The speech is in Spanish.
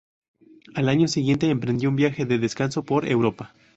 Al año siguiente emprendió un viaje de descanso por Europa.